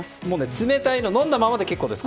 冷たいの飲んだままで結構です。